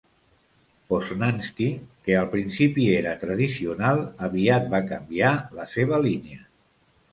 Poznanski, que al principi era tradicional, aviat va canviar la seva línia.